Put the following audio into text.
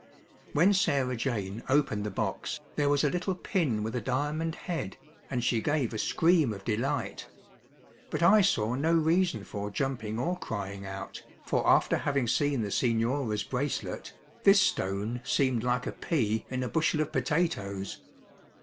When Sarah Jane opened the box, there was a little pin with a diamond head, and she gave a scream of delight. But I saw no reason for jumping or crying out, for after having seen the Signora's bracelet, this stone seemed like a pea in a bushel of potatoes.